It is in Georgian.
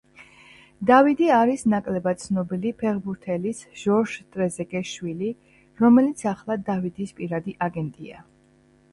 დავიდი არის ნაკლებად ცნობილი ფეხბურთელის ჟორჟ ტრეზეგეს შვილი, რომელიც ახლა დავიდის პირადი აგენტია.